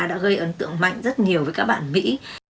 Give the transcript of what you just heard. đã gây ấn tượng mạnh rất nhiều với các bạn mỹ